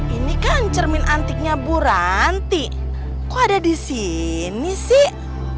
ini kan cermin antiknya bu ranti kok ada di sini sih